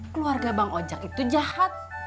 keluarga bang ojek itu jahat